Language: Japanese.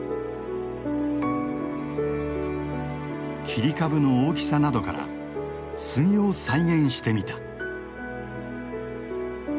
切り株の大きさなどから杉を再現してみた。